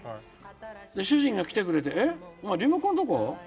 主人が来てくれて『えっリモコンどこ？